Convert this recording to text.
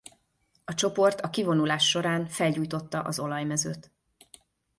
A csoport a kivonulás során felgyújtotta az olajmezőt.